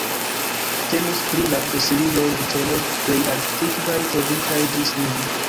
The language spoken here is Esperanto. Temus pri la fosilioj de ĉeloj plej antikvaj trovitaj ĝis nun.